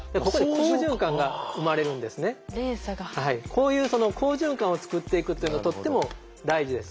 こういう好循環を作っていくっていうのはとっても大事です。